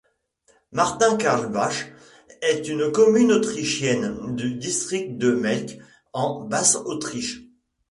Martin-Karlsbach est une commune autrichienne du district de Melk en Basse-Autriche.